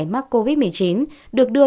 mắc covid một mươi chín được đưa